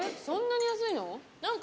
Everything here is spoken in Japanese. そんなに安いの？